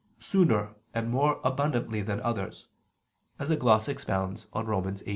sooner and more abundantly than others," as a gloss expounds on Rom. 8:23.